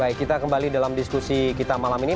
baik kita kembali dalam diskusi kita malam ini